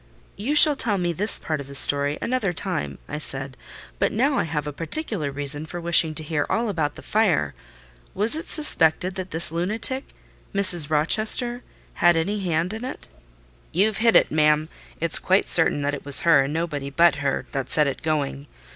"You shall tell me this part of the story another time," I said; "but now I have a particular reason for wishing to hear all about the fire. Was it suspected that this lunatic, Mrs. Rochester, had any hand in it?" "You've hit it, ma'am: it's quite certain that it was her, and nobody but her, that set it going.